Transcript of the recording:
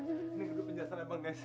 ini kedua penjelasan ya bang ness